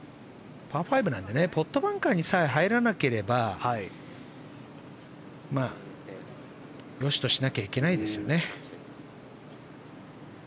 パー５なのでポットバンカーにさえ入らなければまあ、よしとしなきゃいけないですよね。